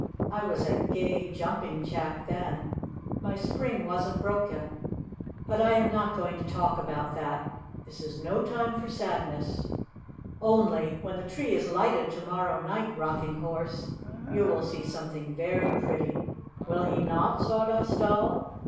I was a gay, jumping chap then. My spring wasn't broken. But I am not going to talk about that. This is no time for sadness. Only, when the tree is lighted to morrow night, Rocking Horse, you will see something very pretty. Will he not, Sawdust Doll?"